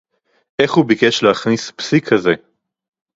איך הוא ביקש להכניס פסיק כזה